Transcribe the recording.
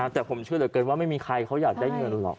แต่ผมเชื่อเหลือเกินว่าไม่มีใครเขาอยากได้เงินหรอก